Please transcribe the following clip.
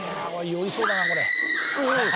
酔いそうだなこれ。